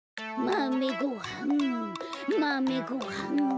まめごはんまめごはん！